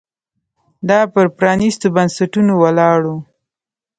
دا پر پرانېستو بنسټونو ولاړ و